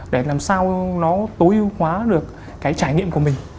để làm sao nó tối ưu hóa được cái trải nghiệm của mình